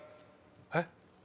えっ？